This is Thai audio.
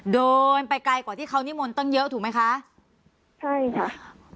เดินไปไกลกว่าที่เขานิมนต์ตั้งเยอะถูกไหมคะใช่ค่ะ